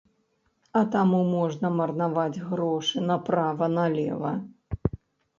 А таму можна марнаваць грошы направа-налева.